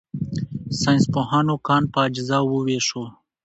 ساینسپوهانو کان په اجزاوو وویشو.